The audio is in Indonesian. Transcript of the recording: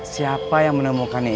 siapa yang menemukannya hitam